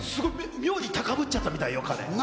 高ぶっちゃったみたいよ。